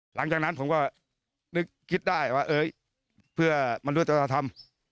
หลังจากนั้นผมก็นึกคิดได้ว่าเอ่ยเพื่อมันรู้จักษาธรรม